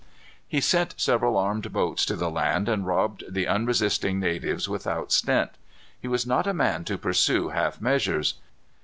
He sent several armed boats to the land, and robbed the unresisting natives without stint. He was not a man to pursue half measures.